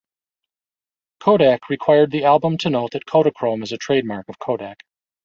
Kodak required the album to note that Kodachrome is a trademark of Kodak.